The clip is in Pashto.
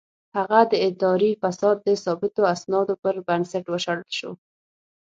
هغه د اداري فساد د ثابتو اسنادو پر بنسټ وشړل شو.